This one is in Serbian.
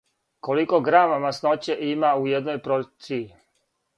Колико грама масноће има у једној порцији?